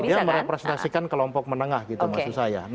dia merepresentasikan kelompok menengah gitu maksud saya